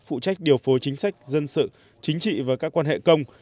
phụ trách điều phối chính sách dân sự chính trị và các quan hệ công